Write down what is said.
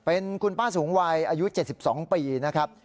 เป็นคุณป้าสูงวัยอายุ๗๒ปีนะครับ